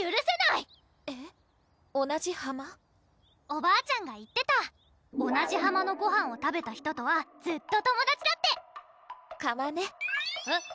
おばあちゃんが言ってた同じ浜のごはんを食べた人とはずっと友達だって釜ねえっ？